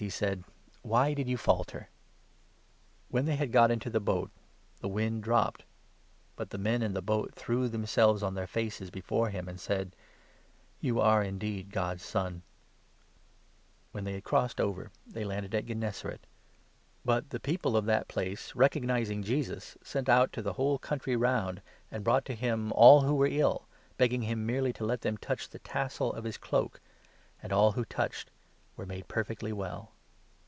" he said, " Why did you falter ?" When they had got into the boat, the wind dropped. But 32, 33 the men in the boat threw themselves on their faces before him, and said : "You are indeed God's Son." Jesus at When they had crossed over, they landed at 34 Gennesaret. Gennesaret. But the people of that place, recog 35 nizing Jesus, sent out to the whole country round, and brought to him all who were ill, begging him merely to let them touch 36 the tassel of his cloak ; and all who touched were made perfectly well.